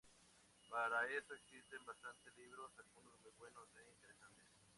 Para eso existen bastantes libros, algunos muy buenos e interesantes".